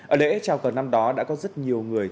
ở lễ chào cờ năm đó đã có rất nhiều người